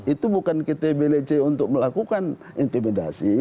itu bukan ktblc untuk melakukan intimidasi